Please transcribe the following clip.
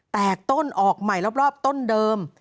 ต้นออกใหม่รอบต้นเดิม